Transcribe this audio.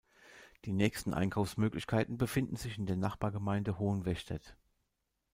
Die nächsten Einkaufsmöglichkeiten befinden sich in der Nachbargemeinde Hohenwestedt.